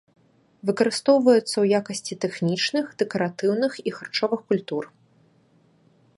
Выкарыстоўваюцца ў якасці тэхнічных, дэкаратыўных і харчовых культур.